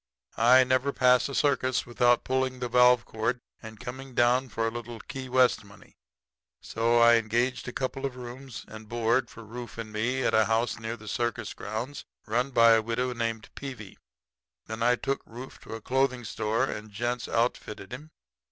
I never pass a circus without pulling the valve cord and coming down for a little Key West money; so I engaged a couple of rooms and board for Rufe and me at a house near the circus grounds run by a widow lady named Peevy. Then I took Rufe to a clothing store and gent's outfitted him.